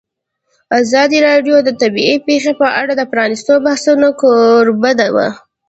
ازادي راډیو د طبیعي پېښې په اړه د پرانیستو بحثونو کوربه وه.